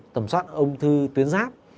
tầm soát ung thư tuyến giáp